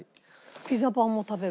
ピザパンも食べる。